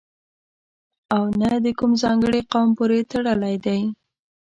او نه د کوم ځانګړي قوم پورې تړلی دی.